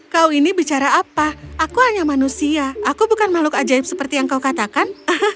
kau ini bicara apa aku hanya manusia aku bukan makhluk ajaib seperti yang kau katakan